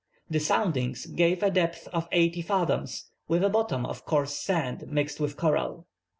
The soundings gave a depth of eighty fathoms with a bottom of coarse sand mixed with coral.